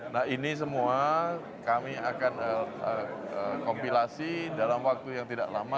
nah ini semua kami akan kompilasi dalam waktu yang tidak lama